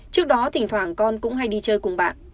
trước đó thỉnh thoảng con cũng hay đi chơi cùng bạn